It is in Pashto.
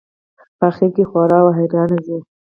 په آخر کې خوار او حیران ځي.